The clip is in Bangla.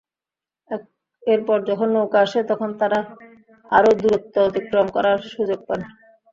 এরপর যখন নৌকা আসে, তখন তাঁরা আরও দূরত্ব অতিক্রম করার সুযোগ পান।